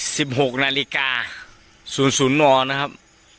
หกนาฬิกาศูนย์ศูนย์นะครับ